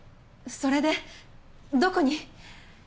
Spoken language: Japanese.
それでどこに？